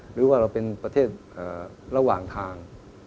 หรือว่าเราเป็นประเทศระหว่างทาง